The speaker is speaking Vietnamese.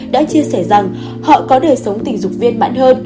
đã chia sẻ rằng họ có đời sống tình dục viên bạc